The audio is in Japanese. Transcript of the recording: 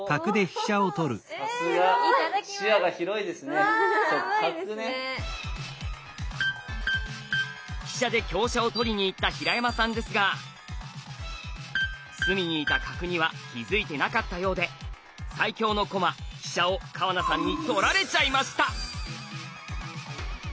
飛車で香車を取りにいった平山さんですが隅にいた角には気付いてなかったようで最強の駒飛車を川名さんに取られちゃいました！